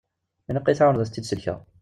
Ilaq ad yi-tɛawneḍ ad tent-id-sellkeɣ.